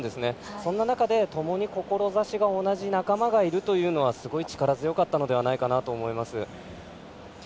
そんな中でともに志が同じ仲間がいるというのはすごい力強かったのではないかなと思います。